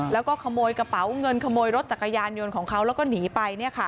แล้วก็ขโมยกระเป๋าเงินขโมยรถจักรยานยนต์ของเขาแล้วก็หนีไป